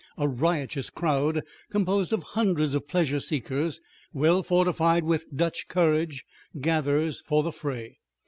A riotous crowd, composed of hundreds of pleasure seekers, well fortified with Dutch courage, gathers for the fray.